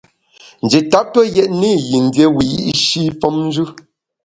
Nji tap tue yètne i yin dié wiyi’shi femnjù.